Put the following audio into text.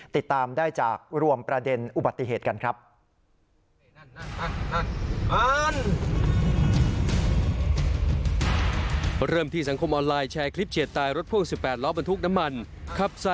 ติดตามได้จากรวมประเด็นอุบัติเหตุกันครับ